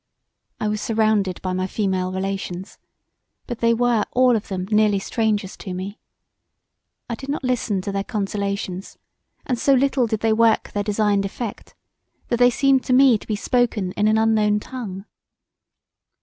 I was surrounded by my female relations, but they were all of them nearly strangers to me: I did not listen to their consolations; and so little did they work their designed effect that they seemed to me to be spoken in an unknown tongue.